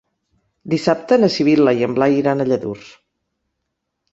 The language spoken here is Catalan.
Dissabte na Sibil·la i en Blai iran a Lladurs.